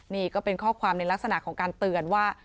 นี่ก็เป็นข้อความในลักษณะของการเตือนว่า